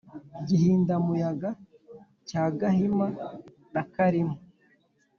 gihindamuyaga cya gahima na kalima